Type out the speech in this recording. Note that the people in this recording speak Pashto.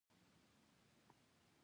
چین په نړیواله سوداګرۍ کې لومړی دی.